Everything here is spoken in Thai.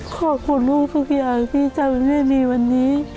ขอบคุณลูกทุกอย่างที่ทำให้มีวันนี้